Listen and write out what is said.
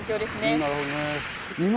なるほどね。